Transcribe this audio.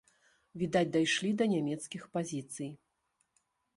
Відаць, дайшлі да нямецкіх пазіцый.